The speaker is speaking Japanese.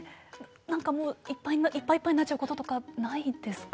何かもういっぱいいっぱいになっちゃうこととかないですか？